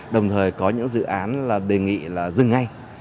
đồng thời có những dự án là đề nghị là dừng ngay